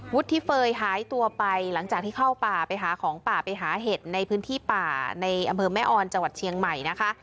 ที่เฟย์หายตัวไปหลังจากที่เข้าป่าไปหาของป่าไปหาเห็ดในพื้นที่ป่าในอำเภอแม่ออนจังหวัดเชียงใหม่นะคะ